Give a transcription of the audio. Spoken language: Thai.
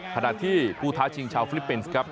ขณะที่ผู้ท้าชิงชาวฟิลิปปินส์ครับ